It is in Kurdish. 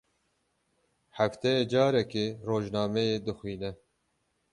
Hefteyê carekê rojnameyê dixwîne.